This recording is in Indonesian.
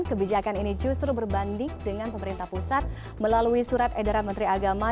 kebijakan ini justru berbanding dengan pemerintah pusat melalui surat edaran menteri agama